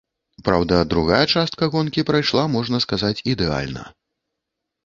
Праўда, другая частка гонкі прайшла, можна сказаць, ідэальна.